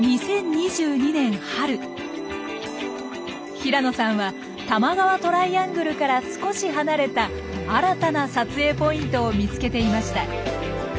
平野さんは多摩川トライアングルから少し離れた新たな撮影ポイントを見つけていました。